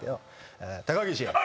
「高岸」